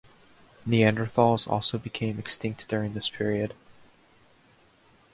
Neanderthals also became extinct during this period.